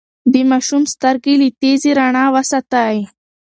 د ماشوم سترګې له تیزې رڼا وساتئ.